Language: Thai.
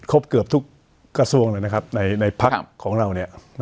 ครบเกือบทุกกระทดิศัพท์เลยนะครับในพักของเรานี่